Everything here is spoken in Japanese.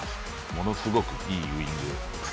ものすごくいいウイング。